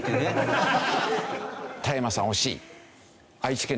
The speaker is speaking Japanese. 田山さん惜しい。